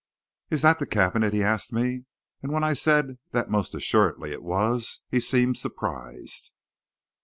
"'Is that the cabinet?' he asked me, and when I said that most assuredly it was, he seemed surprised.